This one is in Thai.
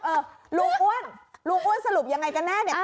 เออลุงอ้วนลุงอ้วนสรุปยังไงกันแน่เนี่ย